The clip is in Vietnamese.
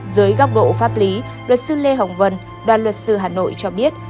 dưới góc độ pháp lý luật sư lê hồng vân đoàn luật sư hà nội cho biết